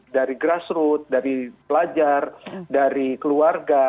dari grassroot dari pelajar dari keluarga